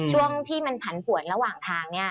ช่วงที่มันผันผวนระหว่างทาง